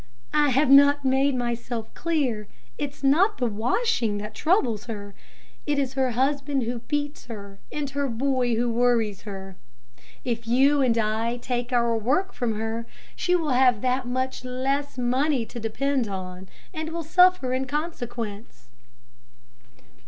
"I have not made myself clear. It is not the washing that troubles her; it is her husband who beats her, and her boy who worries her. If you and I take our work from her, she will have that much less money to depend upon, and will suffer in consequence.